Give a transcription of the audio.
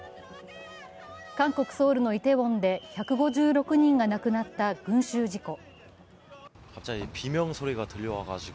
韓国・ソウルのイテウォンで１５６人が亡くなった群集事故。